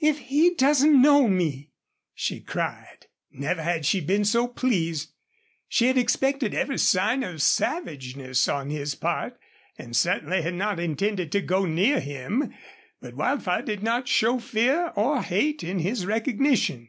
"If he doesn't know me!" she cried. Never had she been so pleased. She had expected every sign of savageness on his part, and certainly had not intended to go near him. But Wildfire did not show fear or hate in his recognition.